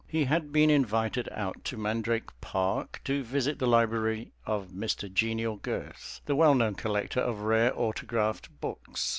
He had been invited out to Mandrake Park to visit the library of Mr. Genial Girth, the well known collector of rare autographed books.